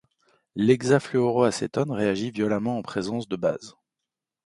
L'hexafluoroacétone réagit violemment en présence de bases.